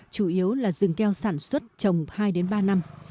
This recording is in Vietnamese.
chủ yếu là rừng keo sản xuất trồng hai ba năm